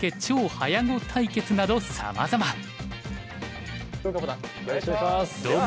超早碁対決」などさまざま。